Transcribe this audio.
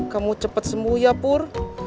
kamu cepat sembuh ya pur